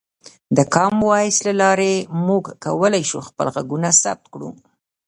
د کامن وایس له لارې موږ کولی شو خپل غږونه ثبت کړو.